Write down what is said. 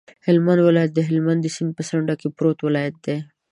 هلمند ولایت د هلمند سیند په څنډه کې پروت ولایت دی.